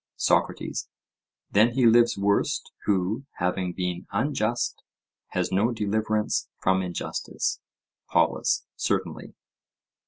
SOCRATES: Then he lives worst, who, having been unjust, has no deliverance from injustice? POLUS: Certainly.